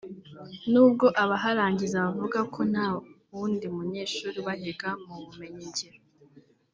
n’ubwo abaharangiza bavuga ko nta wundi munyeshuri ubahiga mu bumenyingiro